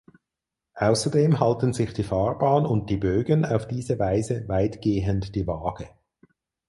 Außerdem halten sich die Fahrbahn und die Bögen auf diese Weise weitgehend die Waage.